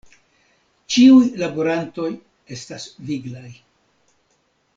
Ĉiuj laborantoj estas viglaj.